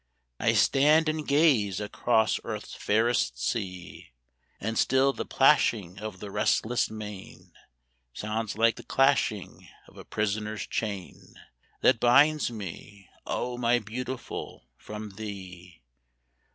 I stand and gaze across Earth's fairest sea, And still the plashing of the restless main, Sounds like the clashing of a prisoner's chain, That binds me, oh! my Beautiful, from thee.